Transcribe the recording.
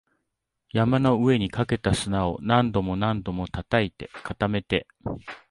山の上にかけた砂を何度も何度も叩いて、固めて